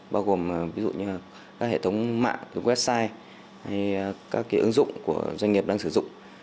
bao gồm ví dụ như các hệ thống mạng website các ứng dụng của doanh nghiệp đang sử dụng